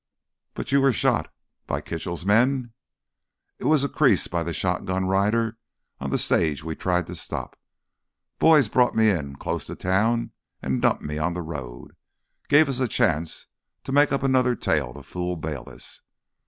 "But you were shot—by Kitchell's men." "I was creased by th' shotgun rider on th' stage we tried to stop. Boys brought me in close to town an' dumped me on th' road—gave us a chance to make up another tale to fool Bayliss.